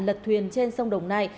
lật thuyền trên sông đồng nai